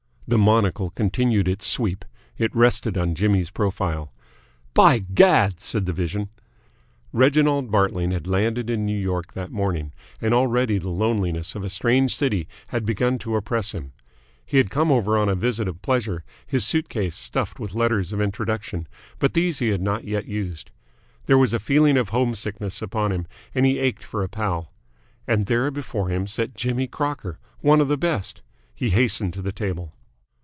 The monocle continued its sweep. It rested on Jimmy's profile. "By Gad!" said the Vision. Reginald Bartling had landed in New York that morning, and already the loneliness of a strange city had begun to oppress him. He had come over on a visit of pleasure, his suit case stuffed with letters of introduction, but these he had not yet used. There was a feeling of home sickness upon him, and he ached for a pal. And there before him sat Jimmy Crocker, one of the best. He hastened to the table.